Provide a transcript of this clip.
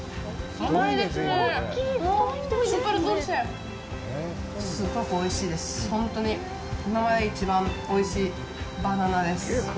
今まで一番おいしいバナナです。